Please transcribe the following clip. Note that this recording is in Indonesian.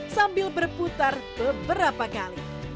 sambil berputar beberapa kali